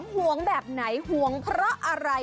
ห่วงแบบไหนห่วงเพราะอะไร